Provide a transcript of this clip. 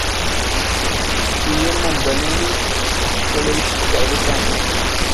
Estudió en el Magdalene College de Cambridge.